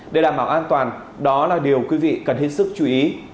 để đảm bảo an toàn đó là điều quý vị cần hết sức chú ý